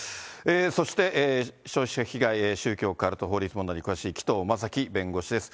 そして消費者被害、宗教、カルト、法律問題に詳しい紀藤正樹弁護士です。